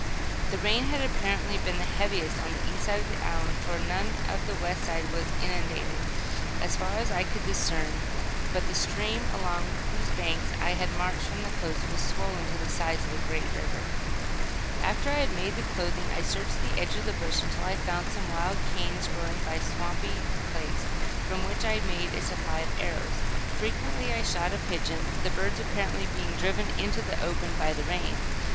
The rain had apparently been the heaviest on the east side of the island, for none of the west side was inundated, as far as I could discern; but the stream, along whose banks I had marched from the coast, was swollen to the size of a great river. After I had made the clothing, I searched the edge of the bush until I found some wild canes, growing by a swampy place, from which I made a supply of arrows. Frequently I shot a pigeon, the birds apparently being driven into the open by the rain.